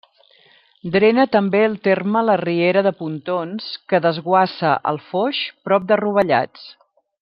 Drena també el terme la riera de Pontons, que desguassa al Foix prop de Rovellats.